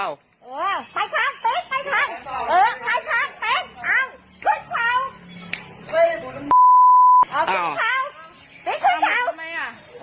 อ่าสบมั้ยสบมั้ย